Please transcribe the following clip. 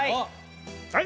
はい。